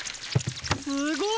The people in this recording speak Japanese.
すごい。